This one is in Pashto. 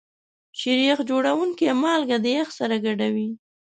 شیریخ جوړونکي مالګه د یخ سره ګډوي.